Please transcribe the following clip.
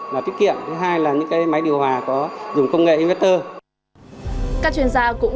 và tiết kiệm thứ hai là những cái máy điều hòa có dùng công nghệ inverter các chuyên gia cũng